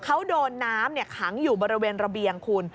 เขาโดนน้ำขังอยู่บริเวณระเบียงคุณ